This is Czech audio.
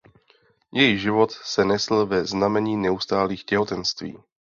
Její život se nesl ve znamení neustálých těhotenství.